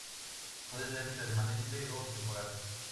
Puede ser permanente o temporal.